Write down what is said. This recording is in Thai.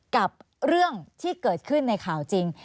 กับเรื่องที่เกิดขึ้นในข่าวจริง